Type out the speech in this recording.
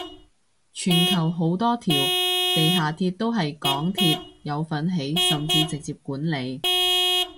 全球好多條地下鐵都係港鐵有份起甚至直接管理